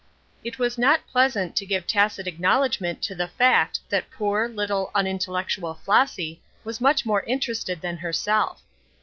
It was not pleasant to give tacit acknowledgment to the fact that poor little, unintellectual Flossy was much more interested than herself.